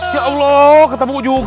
ya allah ketemu juga